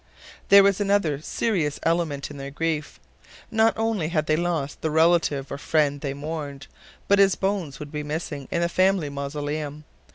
There was another serious element in their grief. Not only had they lost the relative or friend they mourned, but his bones would be missing in the family mausoleum.